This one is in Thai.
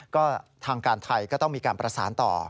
ก็ทางการไทยก็ต้องมีการประสานต่อ